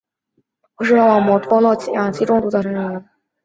氧气中毒造成的眼部氧化损伤可能导致近视或部分视网膜脱落。